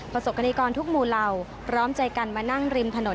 ประสบกฏิกรทุกมูราวพร้อมใจกันมานั่งริมถนน